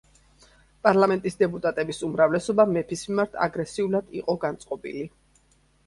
პარლამენტის დეპუტატების უმრავლესობა მეფის მიმართ აგრესიულად იყო განწყობილი.